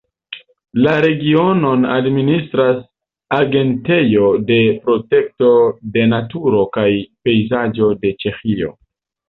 La regionon administras Agentejo de protekto de naturo kaj pejzaĝo de Ĉeĥio.